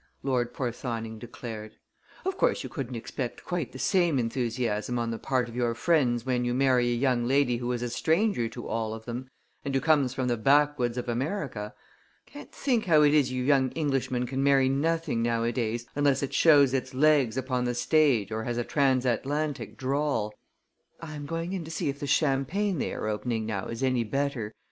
Lord Porthoning declared. "Of course you couldn't expect quite the same enthusiasm on the part of your friends when you marry a young lady who is a stranger to all of them and who comes from the backwoods of America. Can't think how it is you young Englishmen can marry nothing, nowadays, unless it shows its legs upon the stage or has a transatlantic drawl. I am going in to see if the champagne they're opening now is any better.